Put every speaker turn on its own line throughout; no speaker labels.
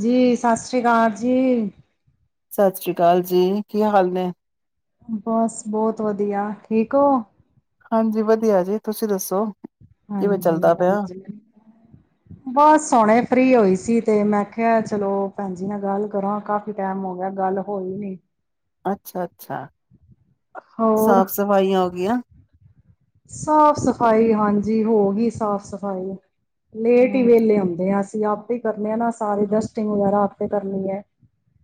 ਜੀ ਸਤਿ ਸ਼੍ਰੀ ਅਕਾਲ ਜੀ।
ਸਤਿ ਸ੍ਰੀ ਅਕਾਲ ਜੀ ਕੀ ਹਾਲ ਨੇ।
ਬਸ ਬਹੁਤ ਵਧੀਆ ਠੀਕ ਹੋ।
ਹਾਂਜੀ ਵਧੀਆ ਜੀ ਤੁਸੀਂ ਦੱਸੋ। ਕਿਵੇਂ ਚੱਲਦਾ ਪਿਆ
ਹਾਂਜੀ-ਹਾਂਜੀ, ਬਸ ਹੁਣੇ ਫਰੀ ਹੋਈ ਸੀ। ਤੇ ਮੈਂ ਕਿਹਾ ਚਲੋ ਭੈਣ ਜੀ ਨਾ ਗੱਲ ਕਰਾਂ ਕਾਫੀ ਟਾਈਮ ਹੋ ਗਿਆ ਗੱਲ ਹੋਈ ਨੀ।
ਅੱਛਾ-ਅੱਛਾ। ਸਾਫ਼-ਸਫ਼ਾਈਆਂ ਹੋ ਗਈਆਂ।
ਸਾਫ਼-ਸਫ਼ਾਈ ਹਾਂਜੀ ਹੋ ਗਈ ਸਾਫ਼-ਸਫ਼ਾਈ। ਲੇਟ ਹੀ
ਹਮ
ਵੇਲੇ ਆਉਂਦੇ ਆ ਅਸੀ। ਅਸੀਂ ਆਪੇ ਕਰਨੇ ਨਾ ਸਾਰੀ ਡਸਟਿੰਗ ਵਗੈਰਾ ਆਪੇ ਕਰਨੀ ਐ।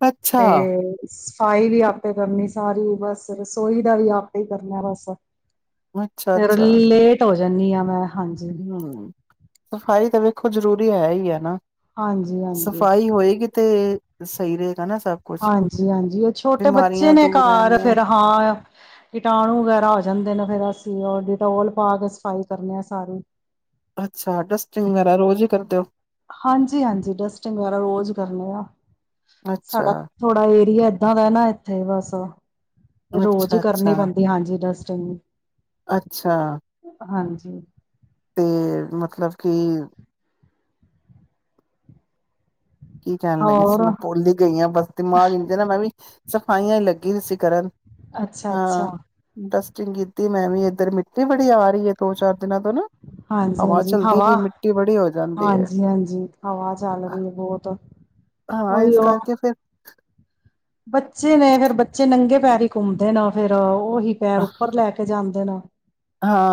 ਅੱਛਾ
ਤੇ ਸਫਾਈ ਵੀ ਆਪੇ ਕਰਨੀ ਸਾਰੀ ਬਸ ਰਸੋਈ ਦਾ ਵੀ ਆਪੇ ਕਰਨਾ ਬਸ। ਫ਼ੇਰ ਲੇਟ ਹੋ ਜਾਨੀ ਹਾਂ ਮੈਂ। ਹਾਂਜੀ
ਹੂੰ ਸਫ਼ਾਈ ਤਾਂ ਵੇਖੋ ਜ਼ਰੂਰੀ ਹੈ ਹੀ ਹੈ ਨਾ।
ਹਾਂਜੀ ਹਾਂਜੀ
ਸਫ਼ਾਈ ਹੋਏਗੀ ਤੇ ਸਹੀ ਰਏ
ਹਾਂਜੀ-ਹਾਂਜੀ ਉਹ ਛੋਟੇ ਬੱਚੇ
ਬਿਮਾਰੀਆਂ
ਨੇ
ਦੂਰ
ਘਰ
ਰਹਿੰਦੀਆਂ
ਫਿਰ ਹਾਂ ਕੀਟਾਣੂ ਵਗੈਰਾ ਹੋ ਜਾਂਦੇ ਨੇ ਫਿਰ ਅਸੀਂ ਉਹ ਡਿਟੋਲ ਪਾ ਕੇ ਸਫਾਈ ਕਰਨੇ ਆ ਸਾਰੀ।
ਅੱਛਾ ਡਸਟਿੰਗ ਵਗੈਰਾ ਰੋਜ਼ ਹੀ ਕਰਦੇ ਹੋ।
ਹਾਂਜੀ-ਹਾਂਜੀ ਡਸਟਿੰਗ ਵਗੈਰਾ ਰੋਜ਼ ਕਰਨੇ ਆ।
ਅੱਛਾ
ਸਾਡਾ ਥੋੜਾ ਏਰੀਆ ਏਦਾਂ ਦਾ ਨਾ ਇੱਥੇ ਬਸ। ਰੋਜ਼ ਹੀ
ਅੱਛਾ
ਕਰਨੀ
ਅੱਛਾ
ਪੈਂਦੀ ਹਾਂਜੀ ਡਸਟਿੰਗ।
ਅੱਛਾ
ਹਾਂਜੀ [unintelligible]
ਤੇ ਮਤਲਬ ਕਿ ਕੀ ਕਹਿਣ ਲੱਗੀ ਸੀ
ਹੋਰ
ਮੈਂ ਭੁੱਲ ਹੀ ਗਈ ਆ, ਬਸ ਦਿਮਾਗ [unintelligible] ਮੈਂ ਵੀ ਸਫਾਈਆਂ ਹੀ ਲੱਗ ਗੀ ਸੀ ਕਰਨ।
ਅੱਛਾ-ਅੱਛਾ।
ਚੰਗੀ ਦੀ ਮੈਂ ਵੀ ਇੱਧਰ ਮਿੱਟੀ ਬੜੀ ਆ ਰਹੀ ਹੈ ਦੋ-ਚਾਰ ਦਿਨਾਂ ਤੋਂ ਨਾ।
ਹਾਂਜੀ-ਹਾਂਜੀ
ਚਲਦੀ
ਹਵਾ,
ਪਈ ਮਿੱਟੀ ਬੜੀ ਹੋ ਜਾਂਦੀ ਹੈ
ਹਾਂਜੀ-ਹਾਂਜੀ ਹਵਾ ਚੱਲ ਰਹੀ ਏ ਬਹੁ ਬਹੁਤ
ਹਾਂ
ਉਹੀ
ਇਸ
ਉਹ
ਕਰਕੇ ਫਿਰ
ਬੱਚੇ ਨੇ ਅਗਰ ਬੱਚੇ ਨੰਗੇ ਪੈਰੀ ਘੁੰਮਦੇ ਨੇ ਫਿਰ ਉਹ ਉਹੀ ਪੈਰ ਉੱਪਰ ਲੈ ਕੇ ਜਾਂਦੇ ਨੇ।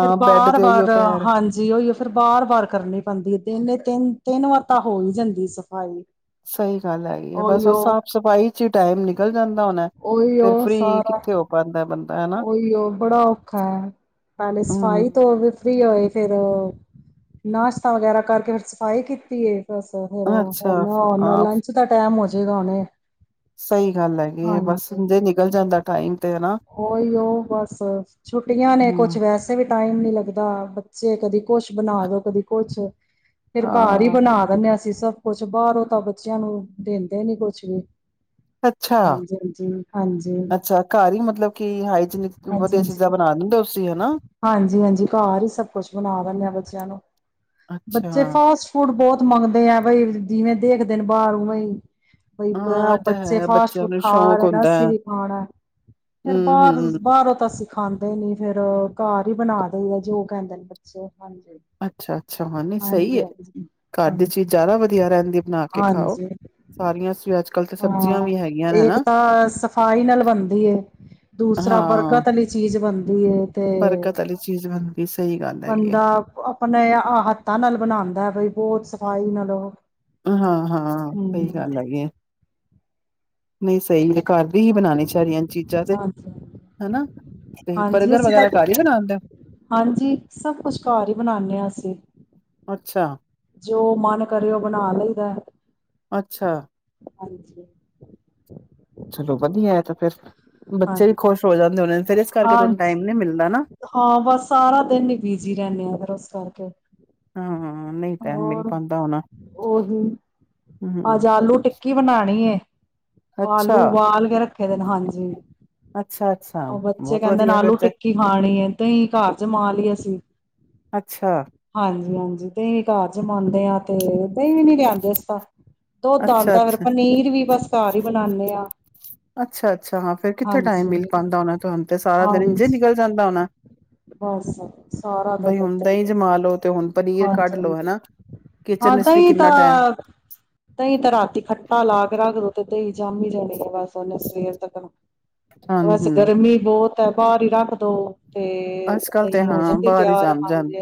ਫਿਰ
ਬੈਡ ਤੇ ਉਹੀਓ
ਵਾਰ-ਵਾਰ
ਪੈਰ
ਹਾਂਜੀ ਉਹੀ ਫਿਰ ਵਾਰ-ਵਾਰ ਕਰਨੀ ਪੈਂਦੀ। ਤਿਨ ਦੇ ਤਿੰਨ ਤਿੰਨ ਵਾਰ ਤਾਂ ਹੋ ਹੀ ਜਾਂਦੀ ਸਫ਼ਾਈ।
ਸਹੀ ਗੱਲ ਹੈਗੀ ਆ ਬਸ ਉਹ
ਉਹੀਓ
ਸਾਫ਼ ਸਫ਼ਾਈ ਚ ਟਾਈਮ ਨਿਕਲ ਜਾਂਦਾ ਹੋਣਾ ਫੇਿਰ ਫਰੀ ਕਿੱਥੇ ਹੋ ਪਾਉਂਦਾ ਬੰਦਾ ਹਨਾ
ਉਹੀ ਉਹ ਬੜਾ ਔਖਾ ਹੈ ਪੈਲੇ ਸਫਾਈ
ਹਮ
ਤੋਂ ਫਰੀ ਹੋਏ ਫਿਰ ਨਾਸ਼ਤਾ ਵਗੈਰਾ ਕਰਕੇ ਫਿਰ ਸਫਾਈ ਕੀਤੀ ਹੈ ਬੱਸ
ਅੱਛਾ
ਫਿਰ
ਹਾਂ
ਲੰਚ ਦਾ ਟਾਈਮ ਹੋ ਜਾ ਜ੍ਹਾਣੇ
ਸਹੀ ਗੱਲ ਹੈਗੀ ਬਸ ਜੇ ਨਿਕਲ ਜਾਂਦਾ ਟਾਈਮ ਤੇ ਹੈਾ
ਉਹੀ ਉਹ ਬਸ ਛੁੱਟੀਆਂ ਨੇ
ਹਮ
ਕੁਛ ਵੈਸੇ ਵੀ ਟਾਈਮ ਨੀ ਲੱਗਦਾ ਜੈ ਕਦੀ ਕੁਛ ਬਣਾ ਦੋ ਕਦੀ ਕੁਛ ਫਿਰ ਘਰ ਹੀ
ਹਾਂ
ਬਣਾ ਦਿੰਦੇ ਹ ਅਸੀ ਸਭ ਕੁਛ ਬਾਹਰੋਂ ਤਾਂ ਬੱਚਿਆਂ ਨੂੰ ਦਿੰਦੇ ਨੀ ਕੁਛ ਵੀ
ਅੱਛਾ
ਹਾਂਜੀ ਹਾਂਜੀ ਹਾਂਜੀ
ਅੱਛਾ ਘਰ ਹੀ ਮਤਲਬ ਕੀ ਹਾਈਜੀਨਿਕ
ਹਾਂਜੀ
ਵਧੀਆ
ਹਾਂਜੀ
ਚੀਜ਼ਾਂ ਬਣਾ ਦੇਂਦੇ ਹੋ ਤੁਸੀ ਹਨਾ
ਹਾਂਜੀ ਹਾਂਜੀ ਘਰ ਹੀ ਸਭ ਕੁਛ ਬਣਾ ਦਿੰਦੇ ਹ ਬੱਚਿਆਂ ਨੂੰ
ਅੱਛਾ
ਬੱਚੇ
ਹਾਂ
ਫਾਸਟ ਫੂਡ ਬਹੁਤ ਮੰਗਦੇ ਆ ਬਈ ਜਿਵੇਂ ਦੇਖਦੇ ਨੇ ਬਾਹਰ ਵੇਈ ਬਈ
ਇਹ ਤਾਂ
ਬੱਚੇ
ਹੈ
ਫਾਸਟ
ਬੱਚਿਆਂ
ਫੂਡ
ਨੂੰ
ਖਾ
ਸ਼ੌਕ
ਰਹੇ ਨਾ
ਹੁੰਦਾ
ਅੱਸੀ
ਹੈ
ਵੀ ਖਾਣਾ ਫਰ
ਹੂੰ
ਬਾਹਰ
ਹੂੰ।
ਬਾਹਰੋਂ ਤਾਂਸੀ ਖਾਂਦੇ ਨੀ ਫੇਰ ਕਾਰ ਹੀ ਬਣਾ ਦਈਦਾ ਜੋ ਕਹਿੰਦੇ ਨੇ ਬੱਚੇ ਹਜੀ ਹ
ਅੱਛਾ ਅੱਛਾ ਹਾਂ ਨਹੀਂ
ਹ
ਸਹੀ ਹੈ ਘਰ ਦੀ ਚੀਜ਼ ਜ਼ਿਆਦਾ ਵਧੀਆ ਰਹਿੰਦੀ ਬਣਾ ਕੇ ਖਾਓ।
ਹਾਂਜੀ
ਸਾਰੀਆਂ ਸ ਅੱਜ ਕੱਲ੍ਹ ਤੇ ਸਬਜ਼ੀਆਂ
ਹਾਂ
ਵੀ ਹੈਗੀਆਂ ਨੇ,
ਇੱਕ
ਹਨਾ
ਤਾਂ ਸਫ਼ਾਈ ਨਾਲ ਬਣਦੀ ਹੈ ਦੂਸਰਾ
ਹਾਂ
ਬਰਕਤ ਵਾਲੀ ਚੀਜ਼ ਬਣਦੀ ਦੀ ਇਹ ਤੇ
ਬਰਕਤ ਵਾਲੀ ਚੀਜ਼ ਬਣਦੀ ਸਹੀ ਗੱਲ ਹੈਗੀ ਹੈ।
ਬੰਦਾ ਆਪਣੇ ਆ ਹੱਥਾਂ ਨਾਲ ਬਣਾਉਂਦਾ ਬਈ ਬਹੁਤ ਹਾਈ ਨਾਲ ਲ
ਹਾਂ ਹਾਂ ਸਹੀ ਗੱਲ ਹੈਗੀ ਆ ਨਹੀਂ ਸਹੀ ਤੇ ਘਰ ਦੀ ਹੀ ਬਣਾਉਣੀ ਚਹੀਆਂ ਚੀਜ਼ਾਂ ਤੇ
ਹਾਂਜੀ
ਹਨਾ ਤੇ
ਹਾਂਜੀ
ਬਰਗਰ
ਅਸੀਂ ਤਾਂ
ਵਗੈਰਾ ਘਰ ਹੀ ਬਣਾਦੇ
ਹਾਂਜੀ ਸਭ ਕੁਛ ਘਰ ਹੀ ਬਣਾਨੇ ਆ ਅਸੀਂ
ਅੱਛਾ
ਜੋ ਮਨ ਕਰੇ ਉਹ ਬਣਾ ਲਈਦਾ
ਅੱਛਾ
ਹਾਂਜੀ
ਚਲੋ ਵਧੀਆ ਹੈ ਤਾਂ ਫੇਿਰ ਬੱਚੇ ਵੀ
ਹਾਂਜੀ
ਖੁਸ਼ ਹੋ ਜਾਂਦੇ ਹੋਣੇ ਫੇਰ ਇਸ ਕਰਕੇ ਤੁਹਾਨੂੰ ਟਾਈਮ
ਹਾਂਜੀ,
ਨੀ ਮਿਲਦਾ ਨਾ
ਹਾਂ ਬਸ ਸਾਰਾ ਦਿਨ ਹੀ ਬਿਜੀ ਰਹਿੰਦੇ ਆ ਫੇਰ ਉਸ ਕਰਕੇ
ਹਾਂ ਨਹੀਂ ਟਾਈਮ ਮਿਲ
ਹੋਰ
ਪਾਉਂਦਾ ਹੋਣਾ
ਉਓਹੀ
ਹਮ
ਅੱਜ ਆਲੂ ਟਿੱਕੀ ਬਣਾਣੀ ਏ
ਅੱਛਾ
ਆਲੂ ਉਬਾਲ ਕੇ ਰੱਖ ਰੱਖੇ ਦੇ ਨੇ, ਹਾਂਜੀ
ਅੱਛਾ ਅੱਛਾ
ਉਹ ਬੱਚੇ
ਬਹੁਤ
ਕਹਿੰਦੇ ਨੇ
ਵਧੀਆ ਫਿਰ
ਆਲੂ
ਤੇ
ਟਿੱਕੀ ਖਾਣੀ, ਦਹੀ ਘਰ ਜਮਾ ਲਈ ਅਸੀਂ।
ਅੱਛਾ
ਹਾਂਜੀ- ਹਾਂਜੀ ਦਹੀ ਘਰ ਜਮਾਂਦੇ ਆ ਤੇ ਦਹੀ ਵੀ ਨੀ ਲਿਆਂਦੇ, ਅਸੀ ਤਾ ਦੁੱਧ
ਅੱਛਾ
ਆਦਾ ਫਿਰ
ਅੱਛਾ
ਪਨੀਰ ਵੀ ਬਸ ਘਰ ਹੀ ਬਣਾਉਦੇ ਆ।
ਅੱਛਾ-ਅੱਛਾ ਹਾਂ ਫਿਰ ਕਿੱਥੇ ਟਾਈਮ
ਹਾਂਜੀ,
ਮਿਲ ਪਾਦਾ ਹੁਣਾ ਤੁਹਾਨੂੰ ਤੇ ਸਾਰਾ ਦਿਨ ਇੰਝੇ
ਹਾਂਜੀ
ਨਿਕਲ ਜਾਂਦਾ ਹੁਣਾ।
ਬਸ ਸਾਰਾ ਦਿਨ ਇਦਾ ਹੀ
ਜਮਾ ਲੋ ਤੇ ਹੁਣ ਪਨੀਰ
ਹਾਂਜੀ
ਕੱਢ ਲੋ
-ਹਾਂਜੀ,
ਹਨਾ ਕਿਚਨ
ਹਾਂ
ਵਿੱਚ ਵੀ
ਦਹੀਂ
ਕਿੰਨਾ ਟਾਈਮ
ਤਾਂ ਦਹੀਂ ਤਾਂ ਰਾਤੀ ਖੱਟਾ ਲਾ ਕੇ ਰੱਖ ਓ ਤੇ ਹੀ ਜੰਮ ਹੀ ਜਾਣੀ ਹੈ। ਬਸ ਉਹਨੇ ਸਵੇਰ ਤੱਕ ਨਾ।
ਹਾਂ
ਬਸ
ਹਮ
ਗਰਮੀ ਬਹੁਤ ਤੇ ਬਾਹਰ ਹੀ ਰੱਖ ਦੋ ਤੇ
ਅੱਜ ਕੱਲ ਤੇ
ਦਹੀਂ ਹੋ
ਹਾਂ
ਜਾਂਦੀ
ਬਾਹਰ ਹੀ
ਤਿਆਰ
ਜੰਮ ਜਾਣ
ਹਾਂਜੀ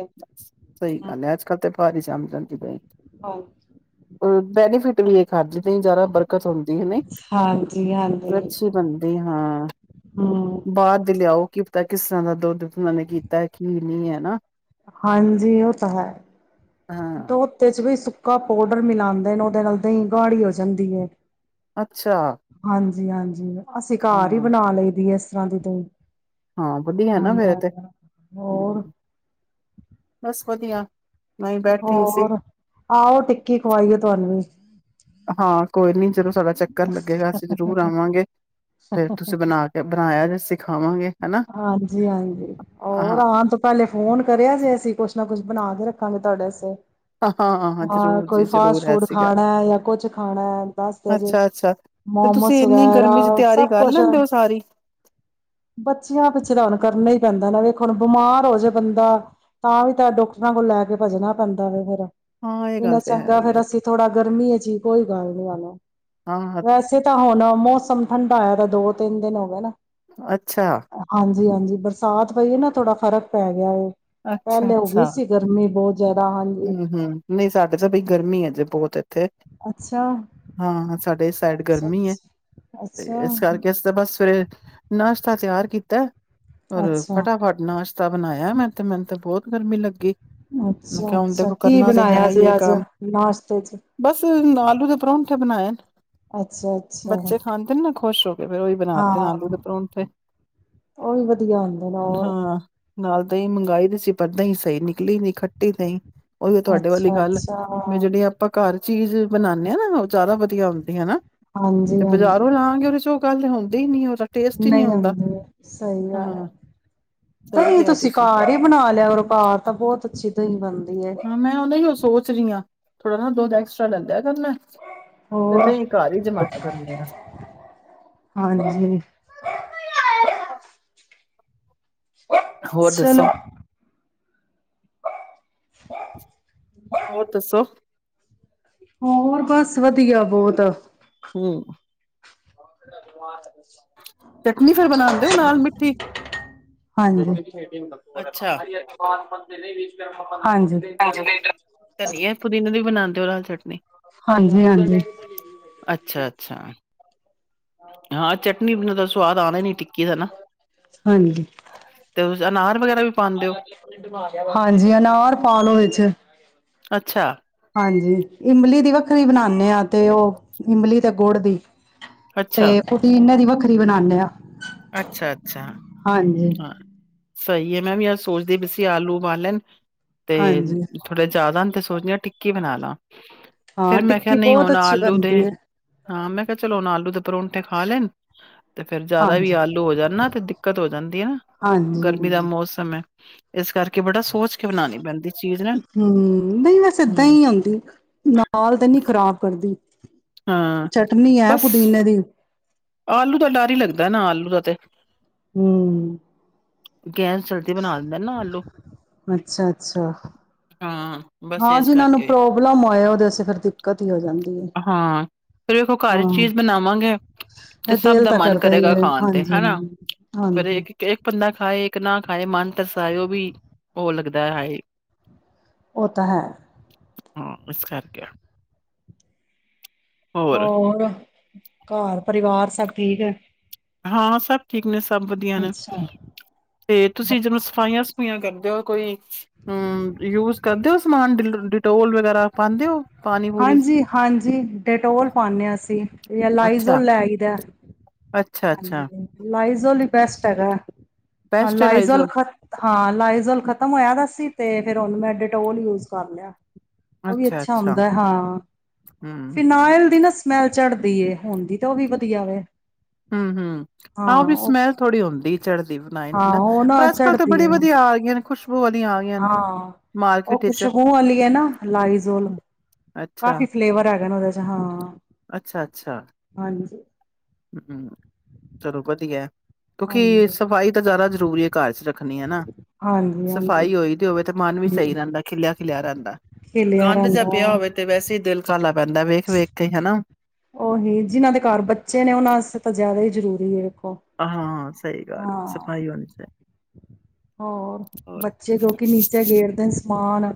ਸਹੀ
ਹਾਂ
ਗੱਲ ਹੈ, ਅੱਜ ਕੱਲ ਤੇ ਬਾਹਰ ਹੀ ਜੰਮ ਹਾਂਜੀ ਭੈਣਜੀ ਬੈਨੀਫਿਟ ਵੀ ਇਹ ਖਾਣ ਚ ਜ਼ਿਆਦਾ ਬਰਕਤ ਹੁੰਦੀ ਹੈਂ ਨਹੀਂ,
ਹਾਂਜੀ ਹਾਂਜੀ
ਅੱਛੀ ਬਣਦੀ ਹਾਂ।
ਹਮ
ਬਾਹਰ ਦੀ ਲਿਆਓ ਕੀ ਪਤਾ ਕਿਸ ਤਰ੍ਹਾਂ ਦਾ ਦੁੱਧ ਉਹਨਾਂ ਨੇ ਕੀਤਾ ਕਿ ਨੀ ਹੈ ਹਨਾ। ਹਾਂ
ਦੋ ਤੇਜ ਵੀ ਸੁੱਕਾ ਪਾਊਡਰ ਮਿਲਾਦੇ ਨੇ, ਉਹਦੇ ਨਾਲ ਦਹੀਂ ਗਾੜੀ ਹੋ ਜਾਂਦੀ ਏ।
ਅੱਛਾ
ਜੀ ਹਾਂਜੀ ਅਸੀਂ ਘਰ ਹੀ
ਹਾਂ
ਬਣਾ ਲਈ ਦੀ ਐ। ਚਾਂਦੀ ਤੋਂ
ਹਾਂ ਵਧੀਆ ਨਾ ਫੇਰ ਇਹ ਤੇ,
ਹੋਰ
ਹੁੰ ਬਸ ਵਧੀਆ ਮੈਂ ਵੀ ਬੈਠੀ ਸੀ
ਹੋਰ, ਆਹੋ ਟਿੱਕੀ ਖਵਾਈ ਆ ਤੁਹਾਨੂੰ ਵੀ
ਹਾਂ ਕੋਈ ਨੀ ਜਦੋਂ ਸਾਡਾ ਚੱਕਰ ਲੱਗੇਗਾ ਅਸੀਂ ਜਰੂਰ ਆਵਾਂਗੇ। ਫੇਰ ਤੁਸੀਂ ਬਣਾ ਕੇ ਬਣਾਇਆ ਜਿ ਸਿਕ ਖਾਵਾਂਗੇ
ਹਾਂਜੀ ਹਾਂਜੀ ਹੋਰ ਆਣ ਤੋਂ ਪਹਿਲੇ ਫੋਨ ਕਰਿਆ ਜੇ ਅਸੀਂ ਕੁਛ ਨਾ ਕੁਛ ਬਣਾ ਕੇ ਰੱਖਾਂਗੇ ਤੁਹਾਡੇ ਵਸਤੇ ਹਾਂ
ਜ਼ਰੂਰ
ਕੋਈ
ਜੀ
ਫਾਸਟ
ਜ਼ਰੂਰ
ਫੂਡ
ਐਸੀ ਗੱਲ
ਖਾਣਾ ਜਾਂ ਕੁਛ ਖਾਣਾ ਹੈ ਦੱਸਦੇ ਜੇ
ਅੱਛਾ ਅੱਛਾ ਤੇ ਤੁਸੀਂ
ਮੋਮੋਸ
ਇੰਨੀ
ਵਗੈਰਾ
ਗਰਮੀ ਚ ਤਿਆਰੀ
ਸਭ
ਕਰ
ਕੁਛ
ਲੈਂਦੇ ਹੋ ਸਾਰੀ
ਬੱਚੀਆਂ ਪਿੱਛਨ ਕਰਨਾ ਹੀ ਪੈਂਦਾ ਨਾ ਵੇਖ ਹੁਣ ਬਿਮਾਰ ਹੋ ਜਾੇ ਬੰਦਾ ਤਾਂ ਵੀ ਤਾਂ ਡਾਕਟਰਾਂ ਕੋਲ ਲੈ ਕੇ ਭੱਜਣਾ ਪੈਂਦਾ ਵ ਫਿਰ
ਹਾਂ ਇਹ ਗੱਲ
ਇਹਨਾ
ਤੇ ਹੈ
ਚੰਗਾ
ਹੀ
ਫੇਰ
ਹੈ
ਅਸੀਂ ਥੋੜਾ ਗਰਮੀ ਹੈ ਜੀ ਕੋਈ ਗੱਲ ਨੀ ਆਨਾ
ਹਾਂ
ਵੈਸੇ ਤਾਂ ਹੁਣ ਮੌਸਮ ਠੰਡਾ ਆਇਆ ਤਾਂ ਦੋ ਤਿੰਨ ਦਿਨ ਹੋ ਗ ਨਾ
ਅੱਛਾ ਅੱਛਾ
ਜੀ ਹਾਂਜੀ ਬਰਸਾਤ ਪਈ ਨਾ ਥੋੜਾ ਫਰਕ ਪੈ ਗਿਆ ਏਹ
ਅੱਛਾ
ਪਹਿਲੇ ਹੋ ਗਈ
ਅੱਛਾ
ਸੀ ਗਰਮੀ ਬਹੁਤ ਜ਼ਿਆਦਾ ਹਾਂਜੀ
ਹਮ ਹਮ ਨਹੀਂ ਸਾਡੇ ਤਾਂ ਬਈ ਗਰਮੀ ਹੈ ਜੇ ਬਹੁਤ ਇੱਥੇ
ਅੱਛਾ,
ਹਾਂ ਸਾਡੇ ਸਾਈਡ ਗਰਮੀ ਹੈ
ਅੱਛਾ-ਅੱਛਾ।
ਤੇ ਇਸ ਕਰਕੇ
ਅੱਛਾ-ਅੱਛਾ,
ਅਸੀ ਤਾਂ ਬਸ ਸਵੇਰੇ ਨਾਸ਼ਤਾ ਤਿਆਰ ਕੀਤਾ ਹੋਰ ਫਟਾਫਟ ਨਾਸ਼ ਰਾਇਤਾ ਬਣਾਇਆ ਮੈ ਤੇ ਮੈਨੂੰ ਤੇ ਬਹੁਤ ਗਰਮੀ ਲੱਗੀ ਮੈਂ
ਅੱਛਾ
ਕਿਹਾ ਹੁਣ
ਅੱਛਾ
ਦੇਖੋ
ਕੀ
ਕਰਨਾ ਤੇ ਹੈ
ਬਣਾਇਆ
ਈ
ਜੇ
ਏ
ਅੱਜ
ਕੰਮ
ਨਾਸ਼ਤੇ ਚ
ਬਸ ਆਲੂ ਦੇ ਪਰੋਂਂਠੇ ਬਣਾਏ
ਅੱਛਾ ਅੱਛਾ
ਬੱਚੇ ਖਾਂਦੇ ਨੇ ਨਾ ਖੁਸ਼ ਰਹੋ
ਹਾਂ ਉਹ ਵੀ ਵਧੀਆ ਹੁੰਦੇ ਨੇ ਹੋਰ
ਹਾਂ। ਨਾਲ ਦਹੀਂ ਮੰਗਾਈ ਤੇ ਸੀ ਪਰ ਦਹੀਂ ਸਹੀ ਨਿਕਲੀ ਨ ਖੱ ਟੀ ਲਈ ਉਹੀ ਤੁਹਾਡੇ ਵਾਲੀ ਗੱਲ
ਅੱਛਾ-ਅੱਛਾ
ਮੈਂ ਜਿਹੜੇ ਆਪਾਂ ਘਰ ਚੀਜ਼ ਬਣਾਉਂਦੇ ਹਾਂ ਨਾ ਉਹ ਜ਼ਿਆਦਾ ਵਧੀਆ ਹੁੰਦੀ ਹਨਾ ਤੇ
ਹਾਂਜੀ-ਹਾਂਜੀ
ਬਾਜ਼ਾਰੋਂ ਲਵਾਂਗੇ ਉਹਦੇ ਚ ਉਹ ਗੱਲ ਹੁਣ ਹੀ ਨਹੀਂੀ ਉਹ ਦਾ
ਨਹੀਂ ਆਉਂਦੇ ਸਹੀ ਗੱਲ ਹੈ
ਸਹੀ
ਤਾਂਈ
ਕਿਹਾ
ਤੁਸੀਂ ਕਾਰ ਹੀ ਬਣਾ ਲਿਆ ਉਰੋ ਘਾਰ ਤਾਂ ਬਹੁਤ ਅੱਛੀ ਦਹੀਂ ਬੰਦ
ਹਾਂ ਮੈਂ ਉਹਦਾ ਹੀ ਉਹ ਸੋਚ ਰਹੀ ਹਾਂ ਥੋੜਾ ਨਾ ਦੁਦ ਐਸਟਰਾ ਲੈਂਦਾ ਆ ਕਰਨਾ ਹੈ ਤੇ ਤਾਂ
ਹੋਰ
ਦਹੀਂ ਘਰ ਹੀ ਜਮਾਨਾ ਕਰਨੇ ਆ
ਹਾਂਜੀ
ਹੋਰ
ਚਲੋ
ਦੱਸੋ
ਆਾਂ
ਹੋਰ, ਦੱਸੋ
ਹੋਰ, ਬਸ ਵਧੀਆ ਬਹੁਤ
ਹਮ ਚਟਨੀ ਫੇਰ, ਬਣਾਦੇ ਹੋ ਨਾਲ ਮਿੱਠੀ।
ਹਾਂਜੀ [unintelligible] [unintelligible]
ਹਾਂਜੀ, ਧਨੀਆ ਪੁਦੀਨਾ ਦੀ ਵੀ ਬਣਾਦੇ ਡੋਲਾ ਛੱਡ
ਹਾਂਜੀ ਹਾਂਜੀ।
ਅੱਛਾ ਅੱਛਾ ਹਾਂ, ਚਟ ਨੀ ਬਨ ਦਸ ਸਵਾਦ ਆਣਾ ਨੀ, ਟਿੱਕੀ ਦਾ ਨਾ
ਹਾਂਜੀ।
ਤੇ ਅਨਾਰ ਵਗੈਰਾ ਵੀ ਪਾਉਂਦੇ ਹੋ
ਹਾਂਜੀ, ਅਨਾਰ ਪਾ ਲੋੋ ਵਿੱਚ
ਅੱਛਾ
ਹਾਂਜੀ, ਇਮਲੀ ਦੀ ਵੱਖਰੀ ਬਣਾਣੇ ਆ, ਤੇ ਉਹ ਇਮਲੀ ਤੇ ਗੁੜ ਦੀ
ਅੱਛਾ।
ਤੇ ਪੁਦੀਨੇ ਵਖਰੀ ਬਣਾਣੇ ਆ
ਅੱਛਾ ਅੱਛਾ,
ਹਾਂਜੀ
ਹਾਂ ਸਹੀ ਆ, ਮੈਂ ਵੀ ਅੱਜ ਸੋਚਦੀ ਪਾਈ, ਆਲੂ ਉਬਾਲੇ ਲੈਣ ਤੇ,
ਹਾਂਜੀ
ਥੋੜੇ ਜ਼ਿਆਦਾ ਆ ਤੇ ਸੋਚਦੇ ਆ, ਟਿੱਕੀ ਕੀ ਬਣਾ ਲਾ
ਹਾਂ,
ਫੇਰ ਮੈਂ ਕਿਹਾ
ਟਿੱਕੀ
ਨਹੀਂ
ਬਹੁਤ
ਹੁਣ
ਅੱਛੀ
ਆਲੂ ਦੇ
ਬਣਦੀ ਐ।
ਹਾਂ ਮੈਂ ਕਿਹਾ ਚਲੋ, ਹੁਣ ਆਲੂ ਦੇ ਪਰੋਂਠੇ ਖਾ ਲੈਣ ਤੇ ਫੇਰ ਉਹਦਾ ਵੀ
ਹਾਂਜੀ
ਆਲੂ ਹੋ ਜਾਣ ਤੇ, ਦਿੱਕਤ ਹੋ ਜਾਂਦੀ ਆ, ਨਾ
ਹਾਂਜੀ
ਗਰਮੀ ਦਾ
ਹਾਂਜੀ
ਮੌਸਮ ਆ। ਇਸ ਕਰਕੇ, ਬੜਾ ਸੋਚ ਕੇ ਬਣਾਣੀ ਪੈਂਦੀ ਚੀਜ਼ ਨਾ
ਹੂੰ ਨਹੀਂ ਵੈਸ
ਹਮ
ਦਹੀ ਹੁੰਦੀ ਨਾਲ ਤਾਂ ਨਹੀਂ ਖ਼ਰਾਬ ਕਰਦੀ।
ਹਾਂ
ਚਟਨੀ ਆ,
ਬਸ
ਪੁਦੀਨੇ ਦੀ
ਆਲੂ ਦਾ ਡਰ ਹੀ ਲੱਗਦਾ, ਨਾ ਆਲੂ ਦਾ ਤੇ
ਹੂੰ
ਗੈਸ ਜਲਦੀ ਬਣਾ ਦਿੰਦਾ ਨਾ ਆਲੂ
ਅੱਛਾ ਅੱਛਾ,
ਹਾਂ ਬਸ
ਹਾਂ
ਇਸ
ਜਿਨਾਂ ਨੂੰ
ਕਰਕੇ
ਪ੍ਰੋਬਲਮ ਹੋਇਆ, ਉਹਦੇ ਵਾਸਤੇ ਫਿਰ ਦਿੱਕਤ ਹੀ ਹੋ ਜਾਂਦੀ ਆ,
ਹਾਂ ਫੇਰ ਵੇਖੋ ਘਰ
ਹਾਂ
ਚੀਜ਼ ਬਣਾਵਾਂਗੇ ਤੇ
ਇਹ
ਸਭ
ਦਿਲ
ਦਾ
ਤਾਂ
ਮਨ
ਕਰਦਾ ਹੀ
ਕਰੇਗਾ
ਹੈ
ਖਾਣ ਤੇ,
ਹਾਂਜੀ
ਹਨਾ ਫੇਰ
ਹਾਂਜੀ
ਇੱਕ ਇੱਕਲਾ ਖਾਏ ਇੱਕ ਨਾ ਖਾਏ ਮਨ ਤਰਸਾਇਓ ਵੀ ਉਹ ਲੱਗਦਾ ਏ ਹਾਏ
ਉਹ ਤਾ ਹੈ।
ਹਾਂ ਇਸ ਕਰਕੇ।
ਹੋਰ ਘਰ ਪਰਿਵਾਰ ਸਭ ਠੀਕ ਐ।
ਹਾਂ ਸਭ ਠੀਕ ਨੇ ਸਭ ਵਧੀਆ ਨੇ,
ਅੱਛਾ
ਤੇ ਤੁਸੀਂ ਜਦੋਂ ਸਫਾਈਆਂ-ਸਫੂਈਆਂ ਕਰ ਤੇ ਉਹ ਕੋਈ ਹੂੰ ਯੂਜ ਕਰਦੇ ਹੋ ਸਮਾਨ ਡੀਲ ਡਿਟੋਲ ਵਗੈਰਾ ਪਾਉਂਦੇ ਹੋ ਪਾਣੀ ਪੂਰੀ
ਹਾਂਜੀ-ਹਾਂਜੀ ਡੈਟੋਲ ਪਾਨੇ ਆ ਅਸੀਂ ਜਾਂ
ਅੱਛਾ
ਲਾਈਜ਼ੋਲ ਲੈਈ ਆਈ ਦਾ।
ਅੱਛਾ ਅੱਛਾ
ਹਾਂਜੀ-ਹਾਂਜੀ ਲਾਈ ਜ਼ੋਲ ਈ ਬੈਸਟ ਹੈਗਾ। ਹਾਂ ਲਾਇਜ਼ਲ
ਪੈਸਟਲਾਈਜ਼ਲ
ਖਤ ਹਾਂ ਲਾਇਜ਼ਲ ਖ਼ਤਮ ਹੋਇਆ ਦਾ ਸੀ ਤੇ ਫਿਰ ਹੁਣ ਮੈਂ ਡਿਟੋਲ ਯੂਜ ਕਰ ਲਿਆ। ਉਹ ਵੀ ਅੱਛਾ ਹੁੰਦਾ ਹਾਂ,
ਹਮ ਹਮ
ਫਿਨਾਇਲ ਦੀ ਨਾ ਸਮੈਲ ਚੜਦੀ ਏ ਹੁੰਦੀ ਤੇ ਉਹ ਵੀ ਵਧੀਆ ਵੇ।
ਹੂੰ-ਹੂੰ ਹਾਂ ਉਹ ਵੀ ਸਮੈਲ ਥੋੜ੍ਹੀ ਹੁੰਦੀ। ਚੜ੍ਹਦੀ ਫਿਨਾਇਲ
ਹਾਂ
ਨਾ,
ਉਹ
ਪਰ ਅੱਜ-ਕੱਲ੍ਹ ਤਾਂ
ਚੜ੍ਹਦੀ
ਬੜੀ
ਹੈ
ਵਧੀਆ ਆ ਗਈਆਂ ਨੇ। ਖੁਸ਼ਬੂ ਵਾਲੀਆਂ ਆ ਗਈਆਂ
ਹਾਂ ਉਹ
ਮਾਰਕੀਟ ਵਿੱਚ
ਖੁਸ਼ਬੂ ਵਾਲੀ ਹੈ ਨਾ ਲਾਈਜ਼ੋਲ, ਕਾਫ਼ੀ ਫਲੇਵਰ ਹੈਗਾ ਨਾ ਉਹਦੇ ਚ। ਹਾਂ
ਅੱਛਾ-ਅੱਛਾ
ਹਾਂਜੀ
ਹੂੰ ਚਲੋ ਵਧੀਆ ਕਿਉਂਕਿ
ਹਾਂਜੀ
ਸਫਾਈ ਤਾਂ ਜ਼ਿਆਦਾ ਜ਼ਰੂਰੀ ਹੈ ਘਰ ਚ ਰੱਖਣੀ ਹੈ ਨਾ,
ਹਾਂਜੀ ਹਾਂਜੀ
ਸਫਾਈ ਹੋਈ ਦੀ ਹੋਵੇ ਤੇ ਮਨ ਵੀ ਸਹੀ ਰਹਿੰਦਾ ਖਿਲਿਆ-ਖਿਲਿਆ ਰਹਿੰਦਾ।
ਖਿਲਿਆ
ਗੰਦ ਜਾਂ ਪਿਆ
ਰਹਿੰਦਾ
ਹੋਵੇ ਤੇ ਵੈਸੇ ਹੀ ਦਿਲ [unintelligible] ਵੇਖ ਕੇ ਹਨਾ
ਉਹੀ ਜਿਹਨਾਂ ਦੇ ਘਰ ਬੱਚੇ ਬੱਚੇ ਨੇ ਉਹਨਾਂ ਆਸਤੇ ਤਾਂ ਜ਼ਿਆਦਾ ਈ ਜ਼ਰੂਰੀ ਏ। ਹਾਂ,
ਹਾਂ ਸਹੀ ਗੱਲ ਸਫ਼ਾਈ ਹੋਣੀ ਚਾਹੀਦੀ
ਹੋਰ
ਹੋਰ
ਬੱਚੇ ਕਿਉਕਿ ਨੀਚੇ ਗੇੜਦੇ ਨੇ ਸਮਾਨ